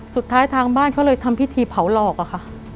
สุดท้ายทางบ้านเขาเลยทำพิธีเผาหลอกอะค่ะ